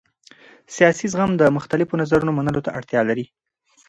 سیاسي زغم د مختلفو نظرونو منلو ته اړتیا لري